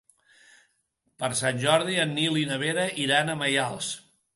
Per Sant Jordi en Nil i na Vera iran a Maials.